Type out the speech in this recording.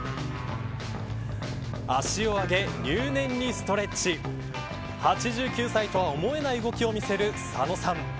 足を上げ、入念にストレッチ８９歳とは思えない動きを見せる佐野さん